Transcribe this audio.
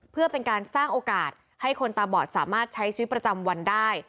เพื่อเป็นการสร้างโอกาสให้คนตาบอดสามารถใช้ชีวิตประจำวันได้